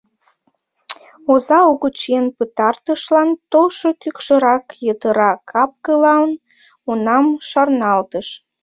Оза угыч эн пытартышлан толшо кӱкшырак йытыра капкылан унам шарналтыш.